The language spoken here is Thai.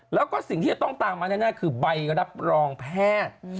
แล้วก็สิ่งที่จะต้องตามมาแน่คือใบรับรองแพทย์